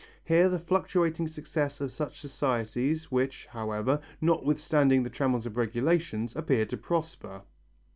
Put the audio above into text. Hence the fluctuating success of such societies, which, however, notwithstanding the trammels of regulations, appear to prosper.